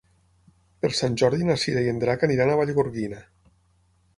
Per Sant Jordi na Cira i en Drac aniran a Vallgorguina.